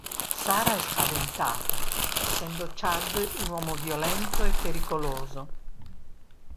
Sara è spaventata, essendo Chad un uomo violento e pericoloso.